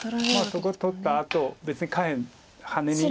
そこ取ったあと別に下辺ハネに。